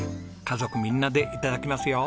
家族みんなで頂きますよ。